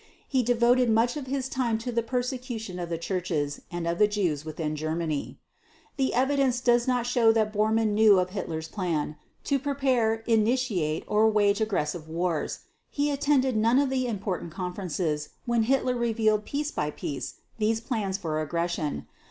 He devoted much of his time to the persecution of the churches and of the Jews within Germany. The evidence does not show that Bormann knew of Hitler's plans to prepare, initiate, or wage aggressive wars. He attended none of the important conferences when Hitler revealed piece by piece these plans for aggression.